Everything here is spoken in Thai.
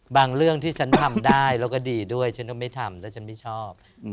เรื่องที่ฉันทำได้แล้วก็ดีด้วยฉันก็ไม่ทำแล้วฉันไม่ชอบ